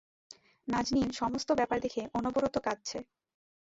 নাজনীন সমস্ত ব্যাপার দেখে অনবরত কাঁদছে।